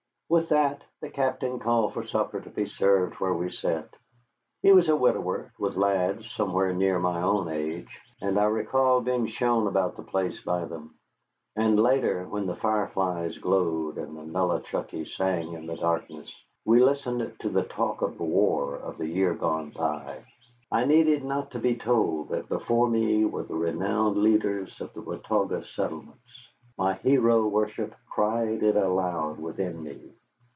With that the Captain called for supper to be served where we sat. He was a widower, with lads somewhere near my own age, and I recall being shown about the place by them. And later, when the fireflies glowed and the Nollichucky sang in the darkness, we listened to the talk of the war of the year gone by. I needed not to be told that before me were the renowned leaders of the Watauga settlements. My hero worship cried it aloud within me.